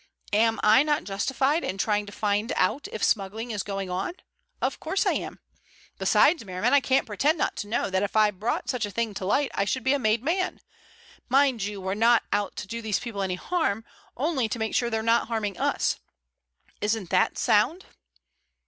Am I not justified in trying to find out if smuggling is going on? Of course I am. Besides, Merriman, I can't pretend not to know that if I brought such a thing to light I should be a made man. Mind you, we're not out to do these people any harm, only to make sure they're not harming us. Isn't that sound?"